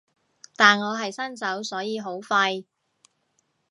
但我係新手所以好廢